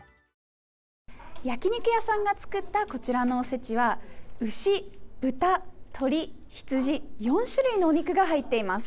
焼き肉屋さんが作ったこちらのおせちは牛、豚、鶏、羊４種類のお肉が入っています。